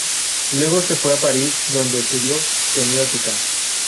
Luego se fue a París, donde estudió semiótica.